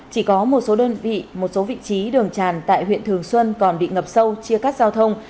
chỉ có một số đơn vị một số vị trí đường tràn tại huyện thường xuân còn bị ngập sâu chia cắt giao thông